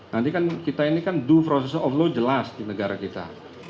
nanti kan kita ini kan due process of law jelas di negara kita